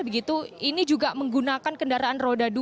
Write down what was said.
begitu ini juga menggunakan kendaraan roda dua